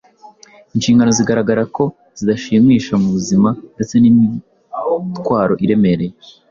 inshingano zigaragara ko zidashimisha mu buzima ndetse n’imitwaro iremereye.